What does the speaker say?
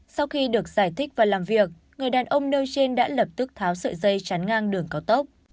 sau khi được giải thích và làm việc người đàn ông nêu trên đã lập tức tháo sợi dây chắn ngang đường cao tốc